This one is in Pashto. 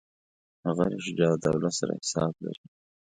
هغه له شجاع الدوله سره حساب لري.